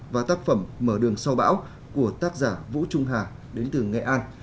và tác phẩm mở đường sau bão của tác giả vũ trung hà đến từ nghệ an